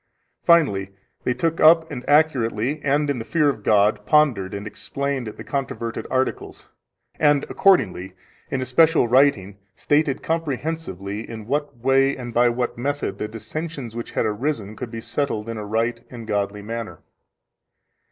Finally they took up and accurately and in the fear of God pondered and explained the controverted articles, and accordingly in a special writing stated comprehensively in what way and by what method the dissensions which had arisen could be settled in a right and godly manner.